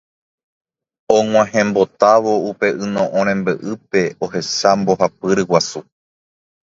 Og̃uahẽmbotávo upe yno'õ rembe'ýpe ohecha mbohapy guasu.